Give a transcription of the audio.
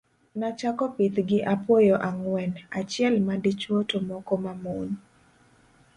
Nachako pith gi apuoyo ang'wen, achiel madichuo to moko mamon.